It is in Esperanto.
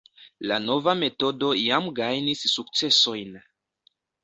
La nova metodo jam gajnis sukcesojn.